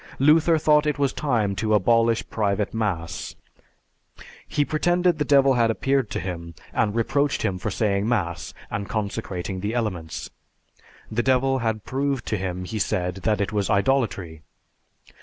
Luther thought it was time to abolish private mass. He pretended the devil had appeared to him and reproached him for saying mass and consecrating the elements. The devil had proved to him, he said, that it was idolatry.